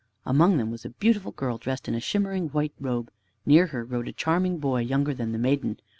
Among them was a beautiful girl dressed in a shimmering white robe. Near her rode a charming boy younger than the maiden.